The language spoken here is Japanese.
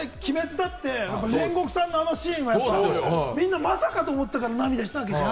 だって煉獄さんのあのシーンが、みんなまさかと思ったから涙したわけじゃん。